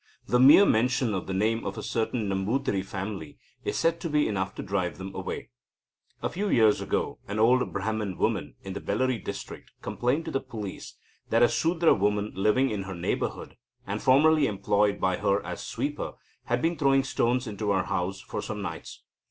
The mere mention of the name of a certain Nambutiri family is said to be enough to drive them away. A few years ago, an old Brahman woman, in the Bellary district, complained to the police that a Sudra woman living in her neighbourhood, and formerly employed by her as sweeper, had been throwing stones into her house for some nights.